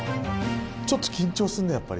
ちょっと緊張するねやっぱり。